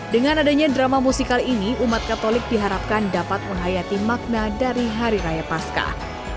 dengan adanya drama musikal ini umat katolik diharapkan dapat menghayati makna dari hari raya paskah